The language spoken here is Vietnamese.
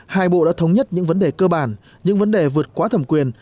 hai bộ đã thống nhất những vấn đề cơ bản những vấn đề vượt quá thẩm quyền